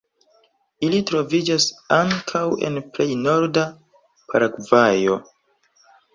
Ili troviĝas ankaŭ en plej norda Paragvajo.